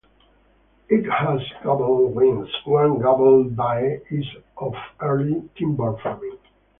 It has gabled wings; one gabled bay is of earlier timber framing.